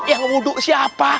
yang wudhu siapa